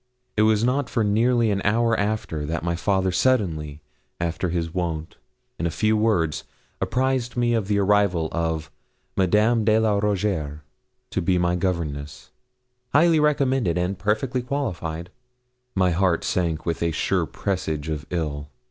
It was not for nearly an hour after, that my father suddenly, after his wont, in a few words, apprised me of the arrival of Madame de la Rougierre to be my governess, highly recommended and perfectly qualified. My heart sank with a sure presage of ill.